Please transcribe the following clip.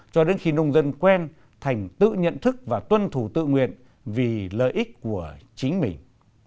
cho đến khi nông dân quen thành tự nhận thức và tuân thủ tự nguyện vì lợi ích của chính mình